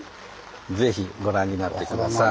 ぜひご覧になって下さい。